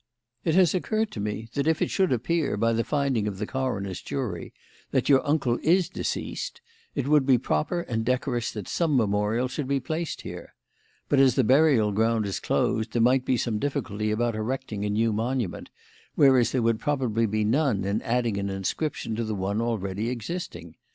It has occurred to me that if it should appear by the finding of the coroner's jury that your uncle is deceased, it would be proper and decorous that some memorial should be placed here. But, as the burial ground is closed, there might be some difficulty about erecting a new monument, whereas there would probably be none in adding an inscription to one already existing.